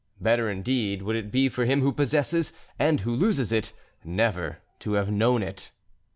Better, indeed, would it be for him who possesses and who loses it, never to have known it.